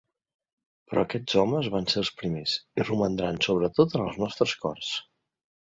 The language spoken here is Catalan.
Però aquests homes van ser els primers, i romandran sobretot en els nostres cors.